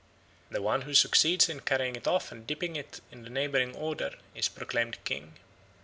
The one who succeeds in carrying it off and dipping it in the neighbouring Oder is proclaimed King.